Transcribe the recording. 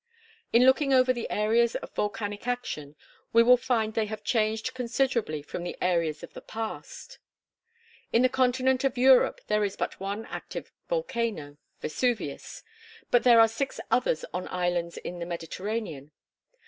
In looking over the areas of volcanic action, we will find they have changed considerably from the areas of the past. In the continent of Europe there is but one active volcano Vesuvius; but there are six others on islands in the Mediterranean.